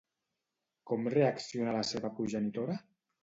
Com reacciona la seva progenitora?